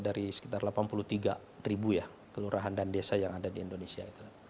dari sekitar delapan puluh tiga ribu ya kelurahan dan desa yang ada di indonesia